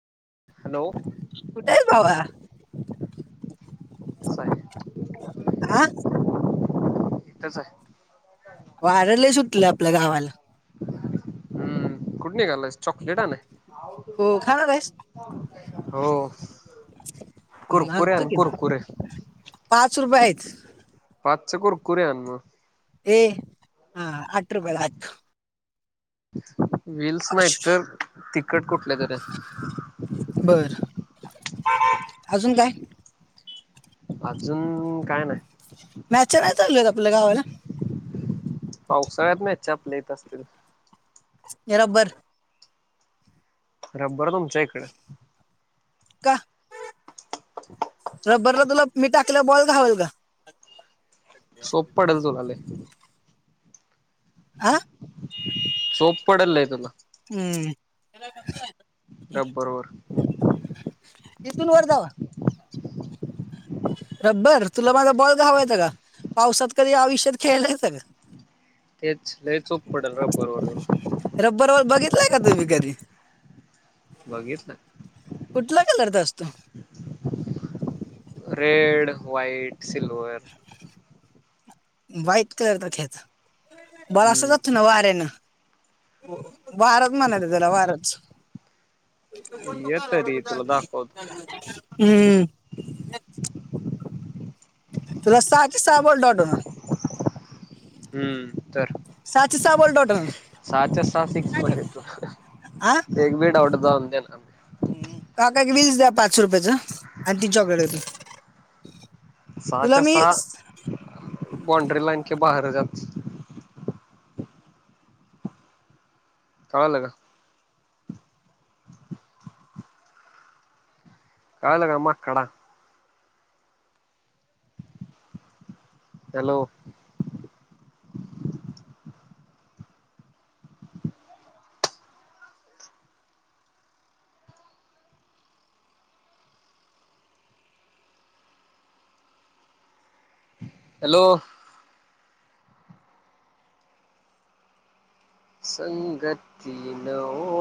Hello कुठे आहेस भावा इथच आहे आ. कसंय. वार लय सुटलय आपल्या गावाला. हम्म कुठ निघालायास चॉकलेट आणाय. हो खाणार आहेस हो हम्म, कुरकुरे आणतो आण की मग. कुरकुरे. पाच रुपये आहेत पाचच कुरकुरे आण मग ए हा आठ रूपये आहेत आठ व्हिल्स अश, नाहीतर तिखट कुठले तरी आण. बर अजून काय अजून काय नाय मॅचा नाही चालू आपल्या गावाला. पावसाळ्यात मॅच्या आपल्या इथ असत्यात. [unintelligible] रबर तुमच्या इकड. का रब्बरला तुला मी टाकलेला बॉल घावल का. सोप पडल तुला लय. आह सोप पडल लय तुला हम्म. रबर वर तिथून वर जावा रबर तुला माझा बॉल घावायचा का पावसात कधी आयुष्यात खेळालायस का. तेच लय सोप पडल रबर वरून. रब्बर व बघितलय का तुम्ही कधी बघितल कुठला कलरचा असतो रेड, व्हाइट, सिल्वर व्हाइट कलरचा घ्यायचा बॉल असा हम्म जातो ना वाऱ्यानं वारच म्हणाला त्याला वारच ये तरी तुला दाखवतो हम्म तुला सहाच्या सहा बॉल [unintelligible] हम्म तर सहाची सहा बॉल डॉट होणार सहाच्या सहा सिक्स मध्ये तू हा एक बी डाऊट जाऊन दे ना काका एक व्हील्स द्या पाच रुपयाचं आणि ती चॉकलेट द्या. सहाच्या सहा, बांड्री लाईन लाईन चा बाहेर जात. कळालं का? कळालं का? माकडा! हॅलो. हॅलो. संगतीन ओ